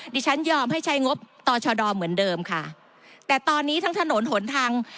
ดิฉันยอมให้ใช้งบต่อชดเหมือนเดิมค่ะแต่ตอนนี้ทั้งถนนหนทาง